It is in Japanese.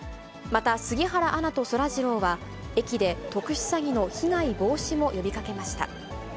また、杉原アナとそらジローは、駅で特殊詐欺の被害防止も呼びかけました。